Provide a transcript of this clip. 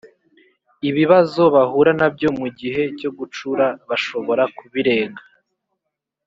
ibibazo bahura na byo mu gihe cyo gucura bashobora kubirenga